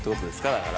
だから。